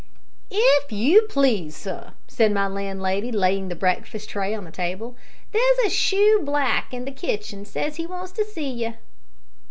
"If you please, sir," said my landlady, laying the breakfast tray on the table, "there's a shoe black in the kitchen says he wants to see you."